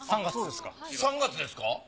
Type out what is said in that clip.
３月ですか。